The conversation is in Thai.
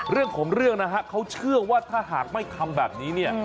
เรื่องของเรื่องนะฮะเขาเชื่อว่าถ้าหากไม่ทำแบบนี้เนี่ย